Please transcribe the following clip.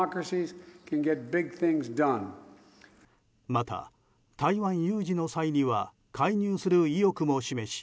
また、台湾有事の際には介入する意欲も示し